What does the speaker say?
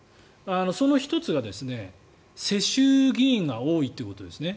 その１つが、世襲議員が多いということですね。